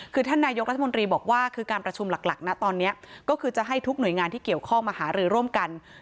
คือท่านนายกรัฐมนตรีบอกว่าคือการประชุมหลักนะตอนนี้ก็คือจะให้ทุกหน่วยงานที่เกี่ยวข้องมาหารือร่วมกัน